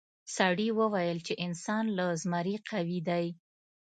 سړي وویل چې انسان له زمري قوي دی.